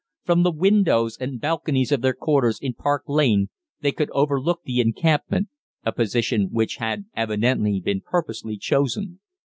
From the windows and balconies of their quarters in Park Lane they could overlook the encampment a position which had evidently been purposely chosen.